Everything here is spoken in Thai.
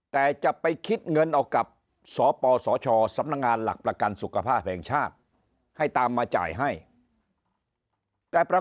แต่จะไปคิดเงินเอากับ